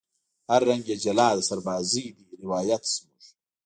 هر رنگ یې جلا د سربازۍ دی روایت زموږ